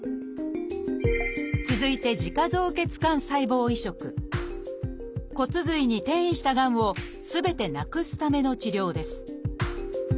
続いて骨髄に転移したがんをすべてなくすための治療です。